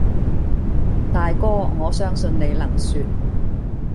大哥，我相信你能説，